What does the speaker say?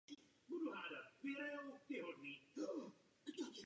Jen vtipné průpovídky však nezlepší průměrnou životní úroveň egyptského lidu.